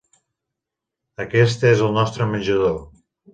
Aquest és el nostre menjador.